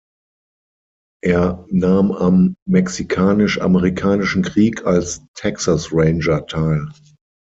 Er nahm am Mexikanisch-Amerikanischen Krieg als Texas Ranger teil.